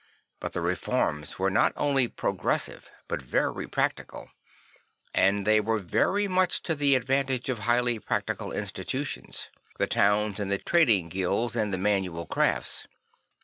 But the reforms were not only progressive but very practical; and they were very much to the advantage of highly practical institutions; the towns and the trading guilds and the manual crafts.